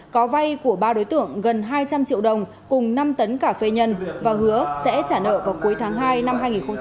có vay của ba đối tượng gần hai trăm linh triệu đồng cùng năm tấn cà phê nhân và hứa sẽ trả nợ vào cuối tháng hai năm hai nghìn hai mươi